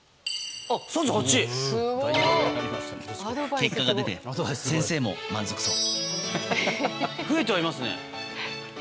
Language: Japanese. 結果が出て先生も満足そう。